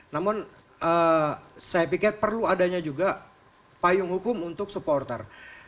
namun saya pikir perlu adanya juga payung hukum untuk supporter